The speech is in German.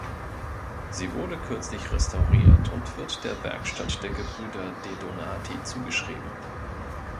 Sie wurde kürzlich restauriert und wird der Werkstatt der Gebrüder De Donati zugeschrieben.